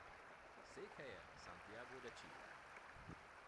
Székhelye Santiago de Chile.